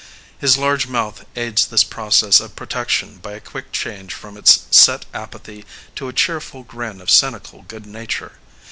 His large mouth aids this process of protection by a quick change from its set apathy to a cheerful grin of cynical good nature.